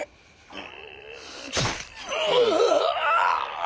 ああ！